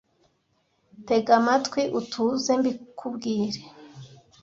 Tega amatwi utuze mbikubwire